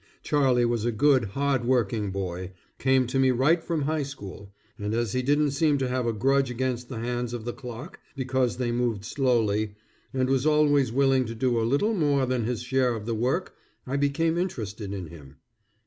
Charlie was a good, hard working boy, came to me right from high school, and as he didn't seem to have a grudge against the hands of the clock because they moved slowly, and was always willing to do a little more than his share of the work, I became interested in him.